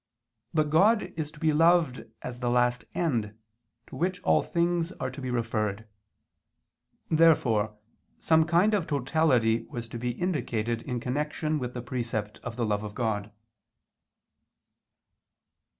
But God is to be loved as the last end, to which all things are to be referred. Therefore some kind of totality was to be indicated in connection with the precept of the love of God.